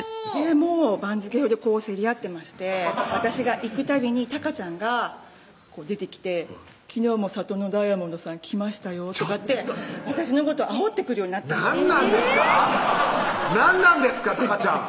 もう番付表で競り合ってまして私が行くたびにたかちゃんが出てきて「昨日も里乃金剛石さん来ましたよ」とかって私のことあおってくるようになったんです何なんですか⁉何なんですかたかちゃん